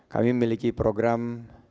kami memiliki program